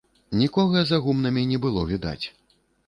Нікога за гумнамі не было відаць.